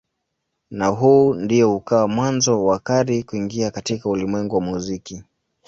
Na huu ndio ukawa mwanzo wa Carey kuingia katika ulimwengu wa muziki.